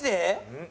うん？